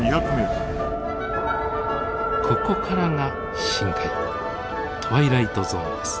ここからが深海トワイライトゾーンです。